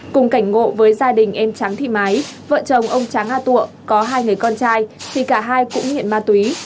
cùng cảnh ngộ với gia đình em tráng thị mái vợ chồng ông tráng a tụa có hai người con trai thì cả hai cũng nghiện ma túy